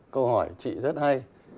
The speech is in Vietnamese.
câu hỏi chị rất hay